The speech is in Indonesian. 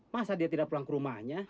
masa dia tidak pulang ke rumahnya